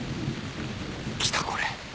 来たこれ。